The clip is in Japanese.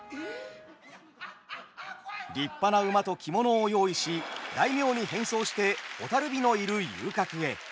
立派な馬と着物を用意し大名に変装して蛍火のいる遊郭へ。